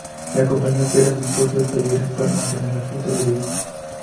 La compañía opera sus propios talleres para mantener la flota de vehículos.